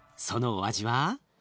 そのお味は？